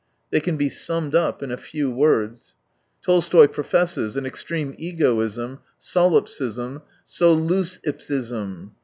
They can be summed up in a few words. Tolstoy pro fesses an extreme egoism, soUipsism, solus ipse ism.